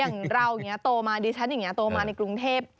อย่างเราอย่างนี้โตมาดิฉันอย่างนี้โตมาในกรุงเทพ